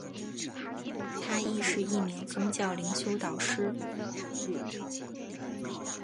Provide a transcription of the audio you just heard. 她亦是一名宗教灵修导师。